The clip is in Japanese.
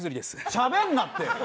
しゃべるなって。